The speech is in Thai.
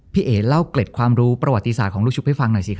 เอ๋เล่าเกล็ดความรู้ประวัติศาสตร์ของลูกชุบให้ฟังหน่อยสิครับ